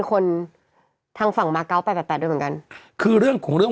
คนทางฝั่งมาเก้าแปดแปดด้วยเหมือนกันคือเรื่องของเรื่อง